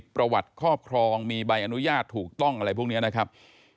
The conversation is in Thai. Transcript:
ประวัติครอบครองมีใบอนุญาตถูกต้องอะไรพวกนี้นะครับ